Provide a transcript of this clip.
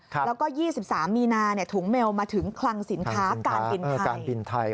แล้วก็๒๓มีนาถุงเมลมาถึงคลังสินค้าการบินการบินไทย